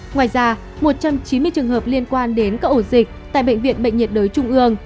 ngoài ra một trăm chín mươi trường hợp liên quan đến các ổ dịch tại bệnh viện bệnh nhiệt đới trung ương